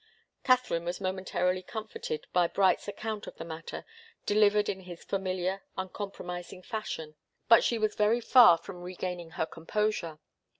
Katharine was momentarily comforted by Bright's account of the matter, delivered in his familiar, uncompromising fashion. But she was very far from regaining her composure.